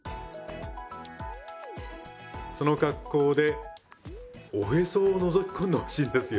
その格好でおへそをのぞき込んでほしいんですよ。